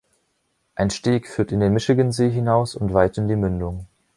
Ein Steg führt in den Michigansee hinaus und weit in die Mündung.